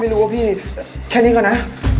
ไม่รู้อะพี่แค่นี้ก่อนนะ